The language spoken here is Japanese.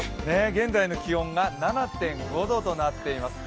現在の気温が７．５度となっています。